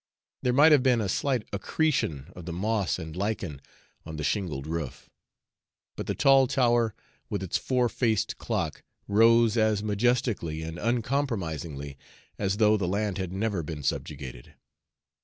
There might have been a slight accretion of the moss and lichen on the shingled roof. But the tall tower, with its four faced clock, rose as majestically and uncompromisingly as though the land had never been subjugated.